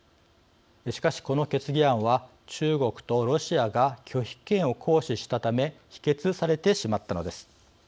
しかし、この決議案は中国とロシアが拒否権を行使したため否決されてしまったのです。